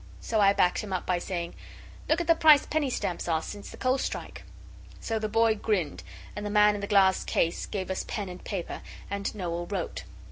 So I backed him up by saying 'Look at the price penny stamps are since the coal strike!' So the boy grinned, and the man in the glass case gave us pen and paper, and Noel wrote.